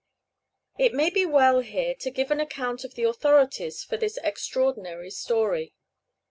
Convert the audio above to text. It may be well here to give an account of the authorities for this extraordinary story.